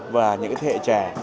và những cái thế hệ trẻ